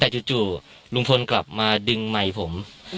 แต่จู่ลุงพลกลับมาดึงไมค์ผม